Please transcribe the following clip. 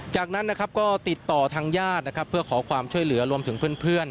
จากนั้นก็ติดต่อทางญาติเพื่อขอความช่วยเหลือรวมถึงเพื่อน